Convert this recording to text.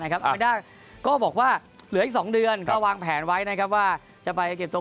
นะครับก็บอกว่าเหลืออีกสองเดือนเขาวางแผนไว้นะครับว่าจะไปเก็บตัว